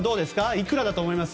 いくらだと思います？